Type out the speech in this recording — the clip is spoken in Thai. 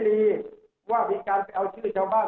มีในศูนย์แสงเสื้อแสงแต่อะไรชื่อชาวบ้าน